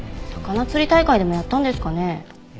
魚釣り大会でもやったんですかね？